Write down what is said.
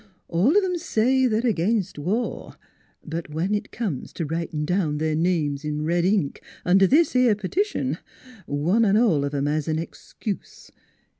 All of 'em say they're against war; but when it comes t' writin' down their names in red ink under this 'ere petition one an' all of 'em has an excuse.